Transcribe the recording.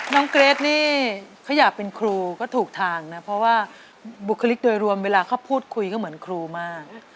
เกรทนี่เขาอยากเป็นครูก็ถูกทางนะเพราะว่าบุคลิกโดยรวมเวลาเขาพูดคุยก็เหมือนครูมาก